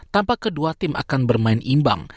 tampak kedua tim akan bermain imbang